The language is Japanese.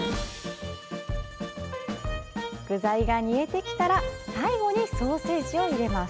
具材が煮えてきたら最後にソーセージを入れます。